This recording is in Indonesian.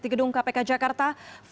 di gedung kpk jakarta